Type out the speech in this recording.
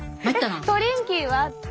えっトリンキーは？